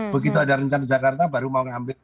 begitu ada rencana jakarta baru mau ngambil